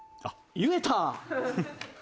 言えた！